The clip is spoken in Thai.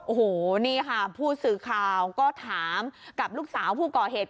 โอ้โหนี่ค่ะผู้สื่อข่าวก็ถามกับลูกสาวผู้ก่อเหตุ